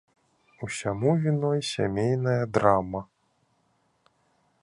Усяму віной сямейная драма.